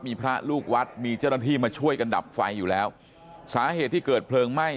มีพระลูกวัดมีเจ้าหน้าที่มาช่วยกันดับไฟอยู่แล้วสาเหตุที่เกิดเพลิงไหม้